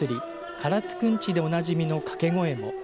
唐津くんちでおなじみの掛け声も。